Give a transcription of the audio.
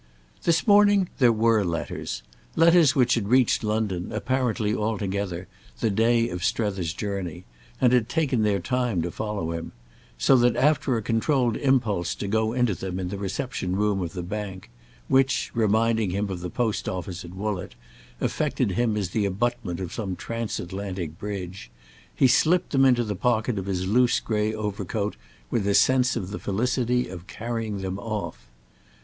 This morning there were letters—letters which had reached London, apparently all together, the day of Strether's journey, and had taken their time to follow him; so that, after a controlled impulse to go into them in the reception room of the bank, which, reminding him of the post office at Woollett, affected him as the abutment of some transatlantic bridge, he slipped them into the pocket of his loose grey overcoat with a sense of the felicity of carrying them off.